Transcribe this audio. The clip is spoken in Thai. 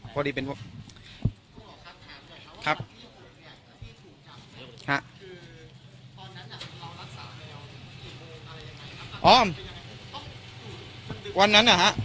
พอดีเป็นครับครับคือตอนนั้นอ่ะเรารักษาแมวอ๋อวันนั้นอ่ะฮะ